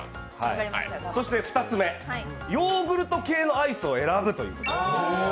そして２つ目、ヨーグルト系のアイスを選ぶということ。